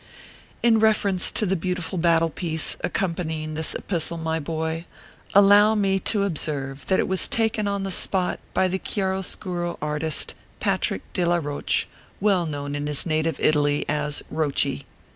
In reference to the beautiful battle piece, accom panying this epistle, my boy, allow me to observe that it was taken on the spot by the Chiar oscuro artist, Patrick de la Koach, well known in his native Italy as " Roachy."